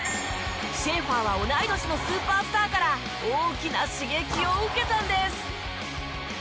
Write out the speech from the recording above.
シェーファーは同い年のスーパースターから大きな刺激を受けたんです。